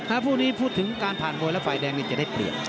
ถ้าพวกนี้พูดถึงการผ่านมวยและไฟแดงเนี่ยจะได้เปลี่ยน